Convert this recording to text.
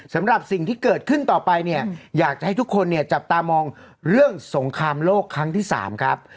สำหรับสิ่งที่เกิดขึ้นต่อไปเนี่ยอยากจะให้ทุกคนเนี่ยจับตามองเรื่องสงครามโลกครั้งที่๓ครับ